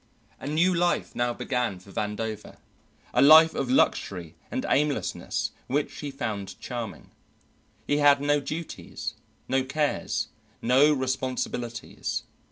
A new life now began for Vandover, a life of luxury and aimlessness which he found charming. He had no duties, no cares, no responsibilities.